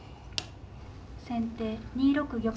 先手２六玉。